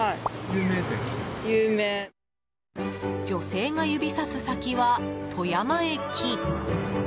女性が指さす先は、富山駅。